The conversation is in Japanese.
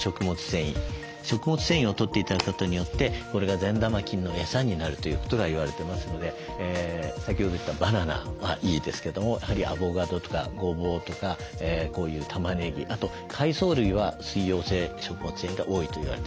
食物繊維をとって頂くことによってこれが善玉菌のエサになるということが言われてますので先ほど言ったバナナはいいですけどもやはりアボカドとかごぼうとかこういうたまねぎあと海藻類は水溶性食物繊維が多いと言われてます。